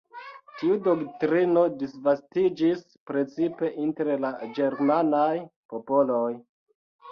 Tiu doktrino disvastiĝis precipe inter la ĝermanaj popoloj.